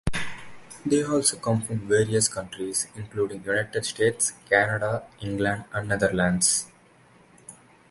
They also come from various countries including United States, Canada, England, and the Netherlands.